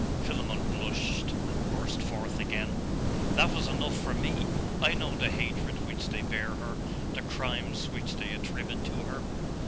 Philammon blushed and burst forth again. 'That was enough for me. I know the hatred which they bear her, the crimes which they attribute to her.